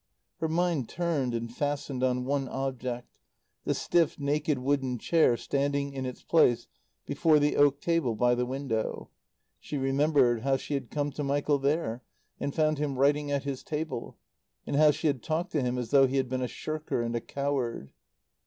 Her mind turned and fastened on one object the stiff, naked wooden chair standing in its place before the oak table by the window. She remembered how she had come to Michael there and found him writing at his table, and how she had talked to him as though he had been a shirker and a coward.